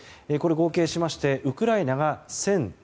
合計しましてウクライナが１０７７